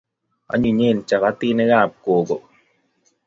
Anyinyen chapatinikab gogoe